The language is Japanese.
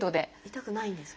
痛くないんですか？